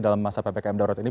dalam masa ppkm darurat ini